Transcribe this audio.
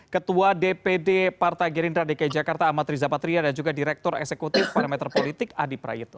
ketua dpd partai gerindra dki jakarta amat riza patria dan juga direktur eksekutif parameter politik adi prayitno